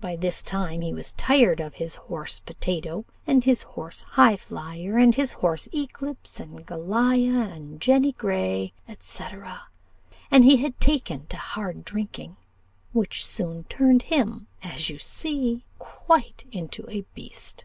By this time he was tired of his horse Potatoe, and his horse Highflyer, and his horse Eclipse, and Goliah, and Jenny Grey, &c. and he had taken to hard drinking, which soon turned him, as you see, quite into a beast.